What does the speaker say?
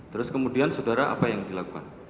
terus kemudian saudara apa yang dilakukan